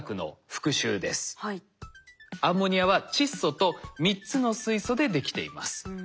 アンモニアは窒素と３つの水素でできています。